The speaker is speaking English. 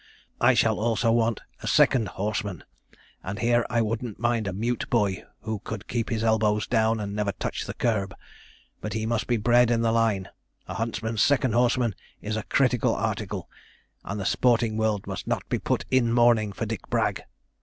'I shall also want a second horseman; and here I wouldn't mind a mute boy who could keep his elbows down and never touch the curb; but he must be bred in the line; a huntsman's second horseman is a critical article, and the sporting world must not be put in mourning for Dick Bragg.